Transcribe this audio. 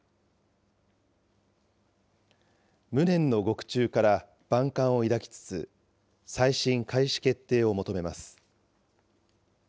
無念の獄中から万感を抱きつつ、再審開始決定を求めます。